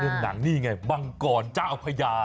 เนื่องหนังนี้ไงมังกรจ้าวพยา